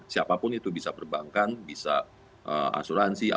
siapapun itu bisa perbankan bisa asuransi